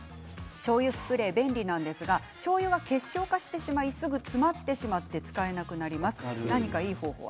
しょうゆスプレー便利なんですがしょうゆが結晶化してしまいすぐ詰まってしまって使えなくなります。